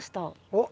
おっ。